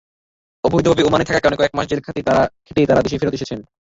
অবৈধভাবে ওমানে থাকার কারণে কয়েক মাস জেল খেটে তাঁরা দেশে ফেরত এসেছেন।